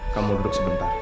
kamu duduk sebentar